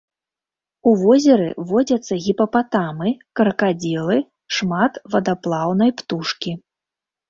У возеры водзяцца гіпапатамы, кракадзілы, шмат вадаплаўнай птушкі.